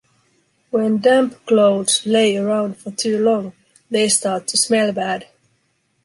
When damp clothes lay around for too long, they start to smell bad.